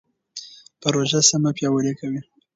پروژه سیمه پیاوړې کوي.